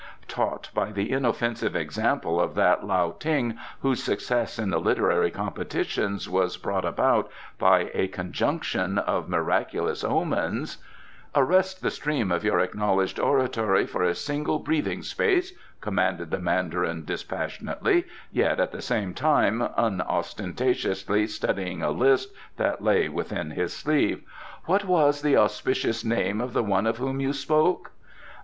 Taught by the inoffensive example of that Lao Ting whose success in the literary competitions was brought about by a conjunction of miraculous omens " "Arrest the stream of your acknowledged oratory for a single breathing space," commanded the Mandarin dispassionately, yet at the same time unostentatiously studying a list that lay within his sleeve. "What was the auspicious name of the one of whom you spoke?"